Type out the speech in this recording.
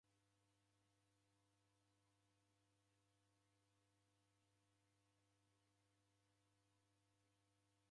Ng'ombe ikachunuka ivongoyi, kuifunya ni w'asi.